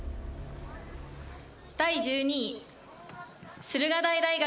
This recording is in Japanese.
第１２位、駿河台大学。